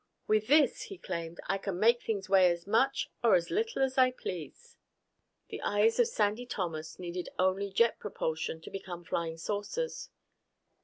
"With this," he claimed, "I can make things weigh as much or as little as I please!" The eyes of Sandy Thomas needed only jet propulsion to become flying saucers.